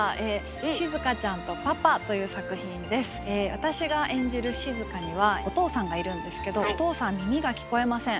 私が演じるしずかにはお父さんがいるんですけどお父さん耳が聞こえません。